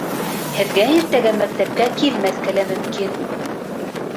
Һеҙгә иртәгә мәктәпкә килмәҫкә лә мөмкин